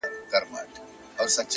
شرجلال مي ته!! په خپل جمال کي کړې بدل!!